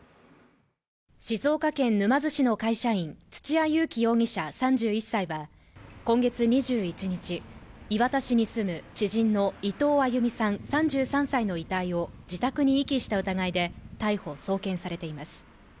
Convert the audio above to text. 静岡県沼津市の会社員土屋勇貴容疑者３１歳は今月２１日、磐田市に住む知人の伊藤亜佑美さん３３歳の遺体を自宅に遺棄した疑いで逮捕・送検されています。